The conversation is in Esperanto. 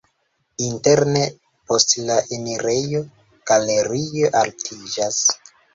Interne post la enirejo galerio altiĝas.